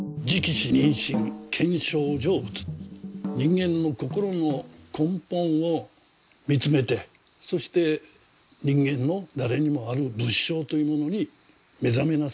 人間の心の根本を見つめてそして人間の誰にもある仏性というものに目覚めなさいと。